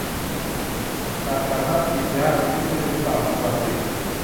สักกะทัตติยะ วิษณุกรรมประสิทธิ์